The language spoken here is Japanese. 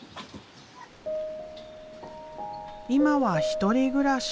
今は１人暮らし。